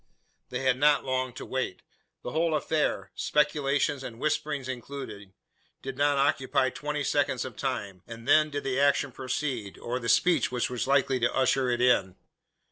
They had not long to wait. The whole affair speculations and whisperings included did not occupy twenty seconds of time; and then did the action proceed, or the speech which was likely to usher it in.